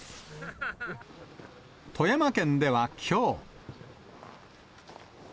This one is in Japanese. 富山県ではきょう。